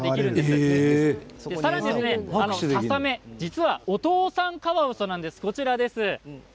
さらにササメ、実はお父さんカワウソなんです。